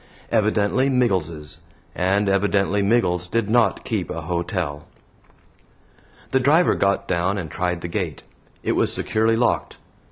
Evidently Miggles's, and evidently Miggles did not keep a hotel. The driver got down and tried the gate. It was securely locked.